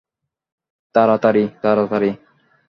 তাড়াতাড়ি, তাড়াতাড়ি!